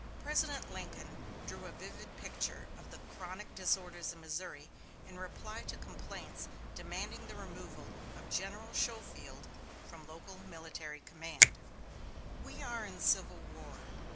President Lincoln drew a vivid picture of the chronic disorders in Missouri in reply to complaints demanding the removal of General Schofield from local military command: "We are in civil war.